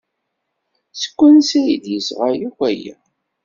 Seg wansi ay d-yesɣa akk aya?